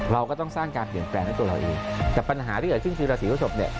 เราก็ต้องสร้างการเปลี่ยนแปลงให้ตัวเราเองแต่ปัญหาที่เกิดขึ้นคือราศีพฤศพเนี่ย